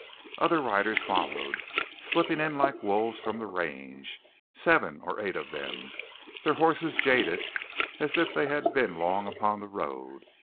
Other riders followed, slipping in like wolves from the range, seven or eight of them, their horses jaded as if they had been long upon the road.